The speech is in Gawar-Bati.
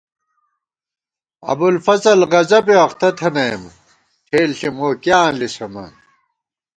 ابُوالفضل غضبےاختہ تھنَئیم ٹھېلݪی موکیاں لِسَمان